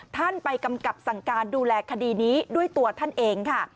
ท่านไปกำกับสั่งการดูแลคดีนี้ด้วยตัวท่านเองค่ะ